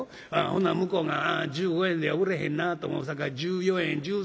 ほんなら向こうが１５円では売れへんなと思うさかい１４円１３円